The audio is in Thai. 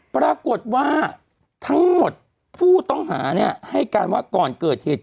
ปรากฏว่าทั้งหมดผู้ต้องหาให้การว่าก่อนเกิดเหตุ